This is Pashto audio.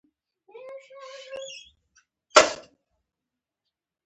تبریوس وپوښتل چې په دې اړه یې څوک خبر کړي دي